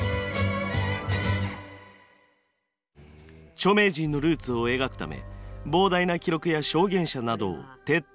著名人のルーツを描くため膨大な記録や証言者などを徹底取材。